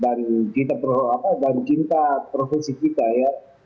dan kita apa dan cinta profesi kita ya